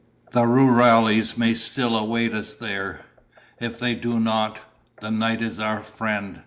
"The rurales may still await us there. If they do not, the night is our friend.